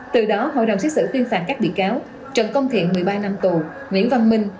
từ đó hội đồng xét xử tuyên phạt các bị cáo trần công thiện một mươi ba năm tù nguyễn văn minh